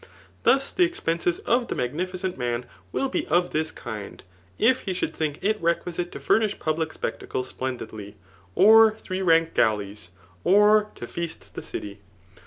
Thus the expenses of the magnificent man will be of this kind, if he should think it requisite to furnish public spectacles ^lendidly, or three ranked gallies, or to feast die city.